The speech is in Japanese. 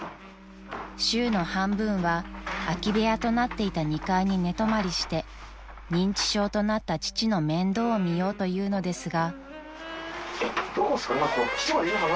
［週の半分は空き部屋となっていた２階に寝泊まりして認知症となった父の面倒を見ようというのですが］